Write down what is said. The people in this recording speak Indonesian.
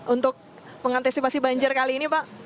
untuk mengantisipasi banjir kali ini pak